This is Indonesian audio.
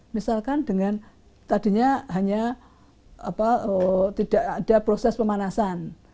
misalkan dengan tadinya hanya tidak ada proses pemanasan